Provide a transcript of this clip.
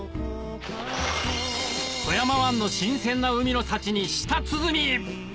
富山湾の新鮮な海の幸に舌鼓！